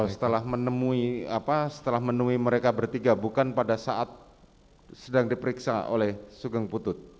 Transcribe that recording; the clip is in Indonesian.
setelah menemui mereka bertiga bukan pada saat sedang diperiksa oleh sugeng putut